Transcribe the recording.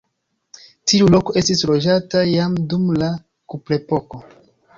Tiu loko estis loĝata jam dum la kuprepoko.